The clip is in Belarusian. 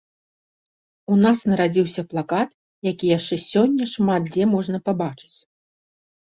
У нас нарадзіўся плакат, які яшчэ сёння шмат дзе можна пабачыць.